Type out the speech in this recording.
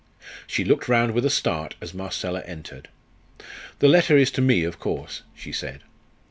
She looked round with a start as Marcella entered. "The letter is to me, of course," she said.